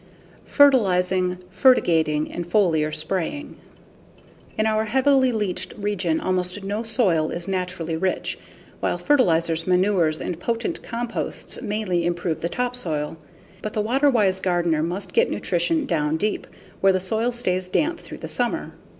Fertilizing, Fertigating and Foliar Spraying In our heavily leached region almost no soil is naturally rich, while fertilizers, manures, and potent composts mainly improve the topsoil. But the water wise gardener must get nutrition down deep, where the soil stays damp through the summer.